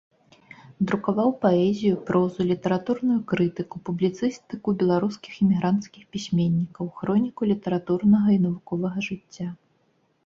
Друкаваў паэзію, прозу, літаратурную крытыку, публіцыстыку беларускіх эмігранцкіх пісьменнікаў, хроніку літаратурнага і навуковага жыцця.